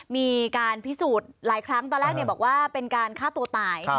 มีการพิสูจน์หลายครั้งตอนแรกบอกว่าเป็นการฆ่าตัวตาย